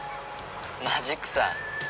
マジックさ。